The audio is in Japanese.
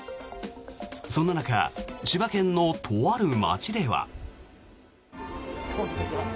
そんな中、千葉県のとある町では。